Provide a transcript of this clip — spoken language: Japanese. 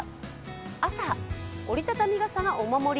朝、折りたたみ傘がお守り。